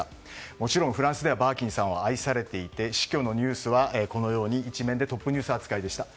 もちろんフランスでバーキンさんは愛されていて死去のニュースは、このように１面でトップニュース扱いでした。